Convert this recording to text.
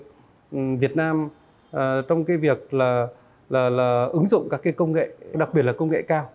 nhiều doanh nghiệp việt nam trong việc ứng dụng các công nghệ đặc biệt là công nghệ cao